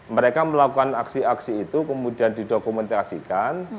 mereka melakukan aksi aksi itu kemudian didokumentasikan